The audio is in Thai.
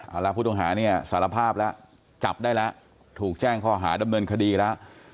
เอาละผู้ต้องหาเนี่ยสารภาพแล้วจับได้แล้วถูกแจ้งข้อหาดำเนินคดีแล้ว